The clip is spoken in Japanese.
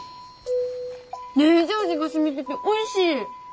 デージ味がしみてておいしい！